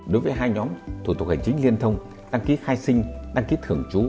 đối với hai nhóm thủ tục hành chính liên thông đăng ký khai sinh đăng ký thưởng chú